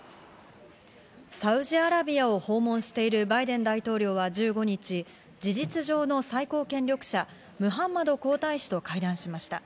サウジアラビアを訪問しているバイデン大統領は１５日、事実上の最高権力者ムハンマド皇太子と会談しました。